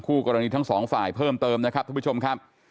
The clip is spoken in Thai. กรณีทั้งสองฝ่ายเพิ่มเติมนะครับท่านผู้ชมครับ